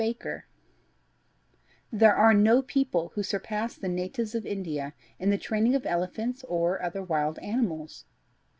Baker There are no people who surpass the natives of India in the training of elephants or other wild animals.